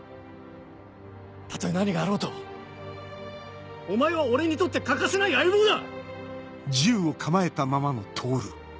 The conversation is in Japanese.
たとえ何があろうとお前は俺にとって欠かせない相棒だ！